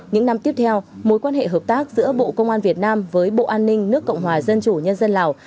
những năm tiếp theo mối quan hệ hợp tác giữa bộ công an việt nam với bộ an ninh nước cộng hòa dân chủ nhân dân lào